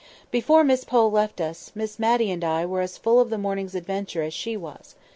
Before Miss Pole left us, Miss Matty and I were as full of the morning's adventure as she was.